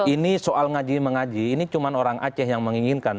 ini soal ngaji mengaji ini cuma orang aceh yang menginginkan